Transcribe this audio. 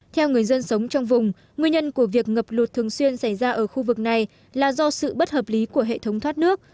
theo người dân sống trong vùng nguyên nhân của việc ngập lụt thường xuyên xảy ra ở khu vực này là do sự bất hợp lý của hệ thống thoát nước